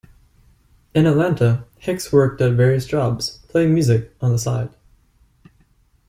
In Atlanta, Hicks worked at various jobs, playing music on the side.